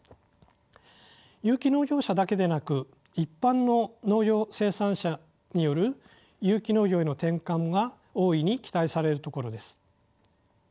有機農業者だけでなく一般の農業生産者による有機農業への転換が大いに期待されるところです。